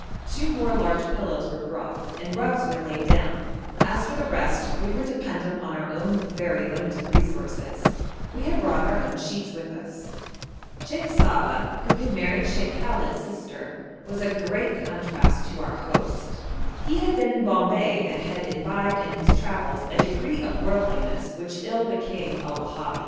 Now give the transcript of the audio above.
Two more large pillows were brought, and rugs were laid down; as for the rest we were dependent on our own very limited resources. We had brought our own sheets with us. [Illustration: THE INTERIOR OF SHEIKH SABA'S HOUSE AT RUFA'A, BAHREIN] Sheikh Saba, who had married Sheikh Khallet's sister, was a great contrast to our host; he had been in Bombay and had imbibed in his travels a degree of worldliness which ill became a Wahabi.